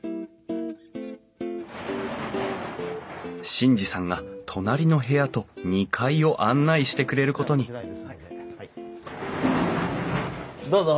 眞二さんが隣の部屋と２階を案内してくれることにどうぞ。